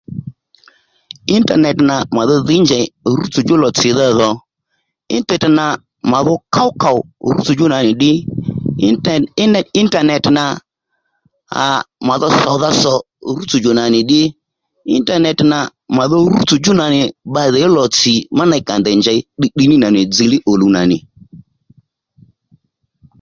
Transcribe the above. Intanet nà màdho dhǐy njey rútsò djú lò tsìdha dhò ìnternet nà màdho ków kòw rútsò djú nǎnì ddí inten ìnternet nà aa màdho sòwdha sò rútsò djò nà nì ddí ìntanet nà màdho rútsò djú nà nì bbalè ó lò tsì ma ney ka ndèy njěy tdiytdiy ní nì nà nì dziliy ò luw nà nì